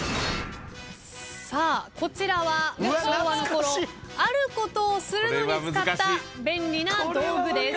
さあこちらは昭和のころあることをするのに使った便利な道具です。